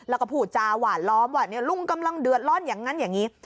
แล้วก็พูดจาหวานล้อมว่าลุงกำลังเดือดร้อนอย่างนั้นอย่างนี้